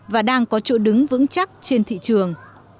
và đang có chỗ đứng vững chắc trên thị trường